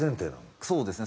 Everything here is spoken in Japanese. そうですね。